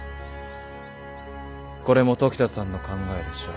これも時田さんの考えでしょう。